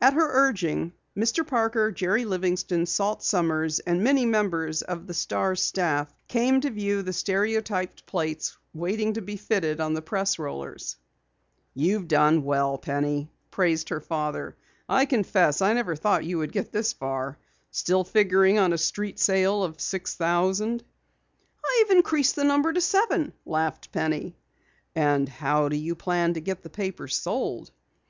At her urging, Mr. Parker, Jerry Livingston, Salt Sommers, and many members of the Star's staff, came to view the stereotyped plates waiting to be fitted on the press rollers. "You've done well, Penny," praised her father. "I confess I never thought you would get this far. Still figuring on a street sale of six thousand?" "I've increased the number to seven," laughed Penny. "And how do you plan to get the papers sold?"